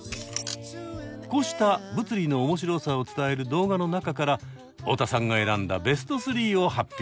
こうした物理の面白さを伝える動画の中から太田さんが選んだベスト３を発表！